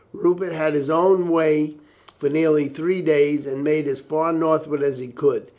Rupert had his own way for nearly three days and made as far northward as he could.